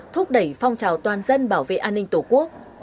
thúc đẩy phong trào toàn dân bảo vệ an ninh tổ quốc